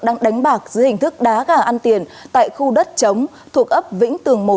đang đánh bạc dưới hình thức đá gà ăn tiền tại khu đất chống thuộc ấp vĩnh tường một